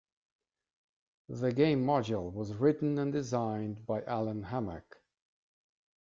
The game module was written and designed by Allen Hammack.